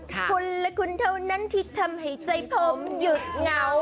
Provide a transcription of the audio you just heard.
คุณและคุณเท่านั้นที่ทำให้ใจผมหยุดเหงา